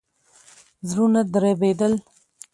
زړونه دربېدل.